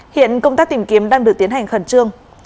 hiện công tác tìm kiếm đang được tiến hành khẩn trương